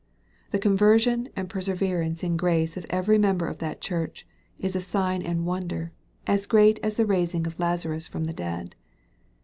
The conversion and perseverance in grace of every member of that Church, is a sign and wonder, as great as the raising of Lazarus from the dead.